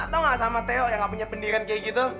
tau gak sama theo yang gak punya pendidikan kayak gitu